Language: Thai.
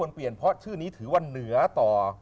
เพราะชื่อนี้ถือว่าเหนือต่อ